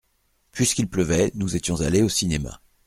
Puisqu’il pleuvait nous étions allés au cinéma.